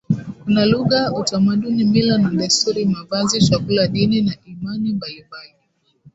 Kuna lugha utamaduni mila na desturi mavazi chakula dini na imani mbalimbali